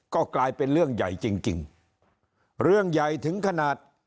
ก็กลายเป็นเรื่องใหญ่จริงจริงเรื่องใหญ่ถึงขนาด